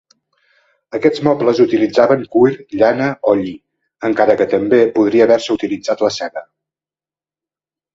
Aquests mobles utilitzaven cuir, llana o lli, encara que també podria haver-se utilitzat la seda.